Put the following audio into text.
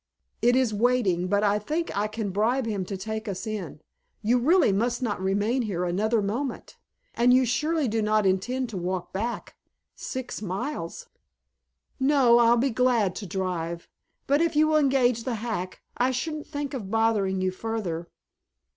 It is waiting, but I think I can bribe him to take us in. You really must not remain here another moment and you surely do not intend to walk back six miles?" "No, I'll be glad to drive but if you will engage the hack I shouldn't think of bothering you further."